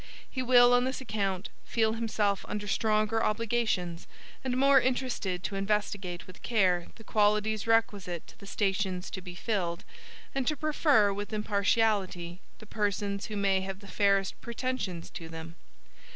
He will, on this account, feel himself under stronger obligations, and more interested to investigate with care the qualities requisite to the stations to be filled, and to prefer with impartiality the persons who may have the fairest pretensions to them.